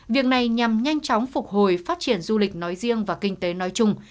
việc này nhằm nhanh chóng phục hồi phát triển du lịch nói riêng và kinh tế nói chung